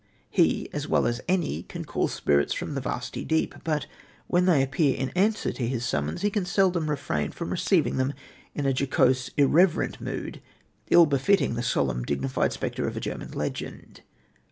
He, as well as any, can call spirits from the vasty deep, but, when they appear in answer to his summons, he can seldom refrain from receiving them in a jocose, irreverent mood, ill befitting the solemn, dignified spectre of a German legend.